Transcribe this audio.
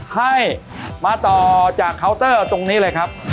ให้มาต่อจากเคาน์เตอร์ตรงนี้เลยครับ